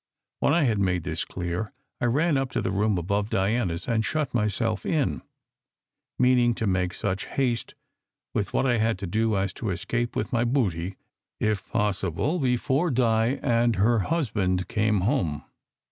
When I had made this clear, I ran up to the room above Diana s and shut myself in, meaning to make such haste with what I had to do as to escape with my booty, if possible, before Di and her husband came home.